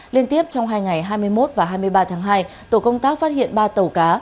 liên tiếp trong hai ngày hai mươi một và hai mươi ba tháng hai tổ công tác phát hiện ba tàu cá